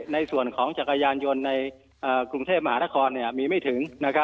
ในส่วนของจักรยานยนต์ในกรุงเทพมหานครมีไม่ถึง